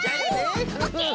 オッケー。